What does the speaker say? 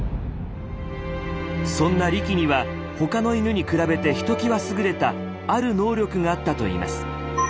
そんなリキには他の犬に比べてひときわ優れた「ある能力」があったといいます。